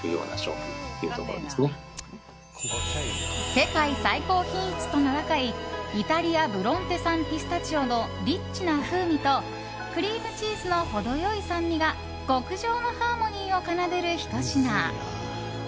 世界最高品質と名高いイタリア・ブロンテ産ピスタチオのリッチな風味とクリームチーズの程良い酸味が極上のハーモニーを奏でるひと品。